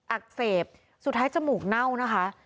อักเสบสุดท้ายจมูกเน่านะคะ